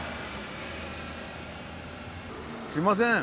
すいません